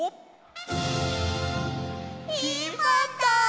ピーマンだ！